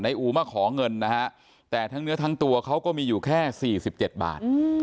อู๋มาขอเงินนะฮะแต่ทั้งเนื้อทั้งตัวเขาก็มีอยู่แค่๔๗บาท